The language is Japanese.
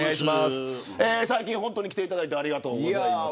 最近来ていただいてありがとうございます。